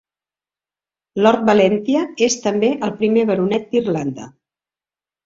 Lord Valentia és també el primer baronet d'Irlanda.